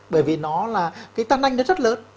bởi vì nó là cái tan anh nó rất lớn